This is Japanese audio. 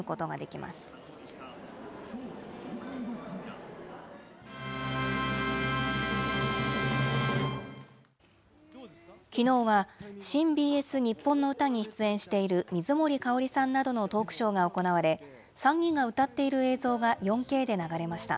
きのうは、新・ＢＳ日本のうたに出演している水森かおりさんなどのトークショーが行われ、３人が歌っている映像が４Ｋで流れました。